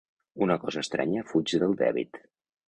Una cosa estranya fuig del dèbit.